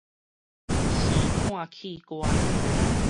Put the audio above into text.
生湠器官